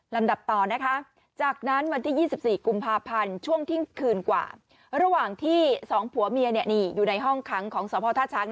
ลำดับต่อนะคะจากนั้นวันที่๒๔กุมภาพันธ์ช่วงเที่ยงคืนกว่าระหว่างที่๒ผัวเมียอยู่ในห้องขังของสพท่าช้าง